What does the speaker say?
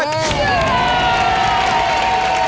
เย้